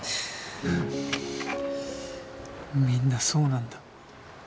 みんなそうなんだ。